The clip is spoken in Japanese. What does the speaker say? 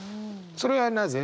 それはなぜ？